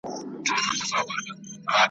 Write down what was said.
هم د ده هم یې د پلار د سر دښمن وي `